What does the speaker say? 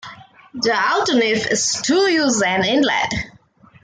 The alternative is to use an inlet.